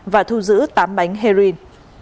và thu giữ tám bánh heroin